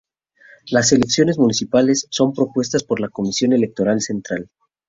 Las elecciones municipales son propuestas por la Comisión electoral central.